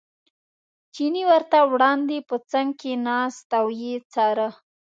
چیني ورته وړاندې په څنګ کې ناست او یې څاره.